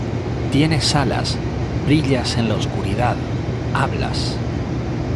¡ Tienes alas! ¡ brillas en la oscuridad! ¡ hablas!